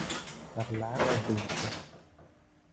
Parlare al vento.